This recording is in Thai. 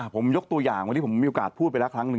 ผมยกตัวอย่างวันนี้ผมมีโอกาสพูดไปแล้วครั้งหนึ่ง